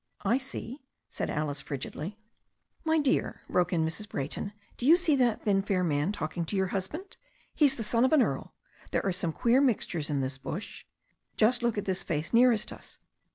"I see," said Alice frigidly. "My dear," broke in Mrs. Brayton, "do you see that thin, fair man talking to your husband ? He's the son of an earl. There are some queer mixtures in this bush. Just look at this face nearest us.